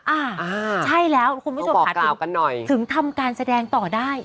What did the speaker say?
อ่าใช่แล้วคุณผู้ชมค่ะถึงทำการแสดงต่อได้